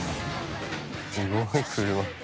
すごい車